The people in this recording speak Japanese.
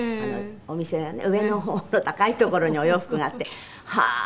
お店がね上の方の高い所にお洋服があってはあ！